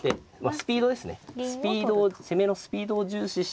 スピード攻めのスピードを重視して。